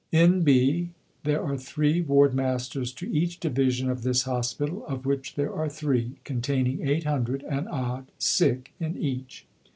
(N.B. There are three Ward Masters to each division of this Hospital of which there are three containing 800 and odd sick in each.)